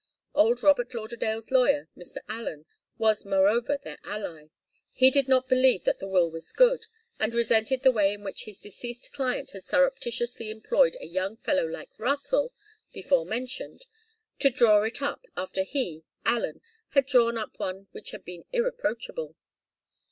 Old Robert Lauderdale's lawyer, Mr. Allen, was moreover their ally. He did not believe that the will was good, and resented the way in which his deceased client had surreptitiously employed a young fellow like Russell, before mentioned, to draw it up, after he, Allen, had drawn up one which had been irreproachable.